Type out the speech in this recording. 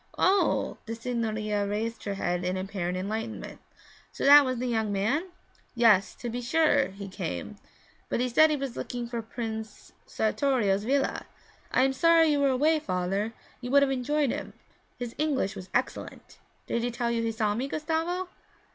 'Oh!' The signorina raised her head in apparent enlightenment. 'So that was the young man? Yes, to be sure, he came, but he said he was looking for Prince Sartorio's villa. I am sorry you were away, father, you would have enjoyed him; his English was excellent. Did he tell you he saw me, Gustavo?'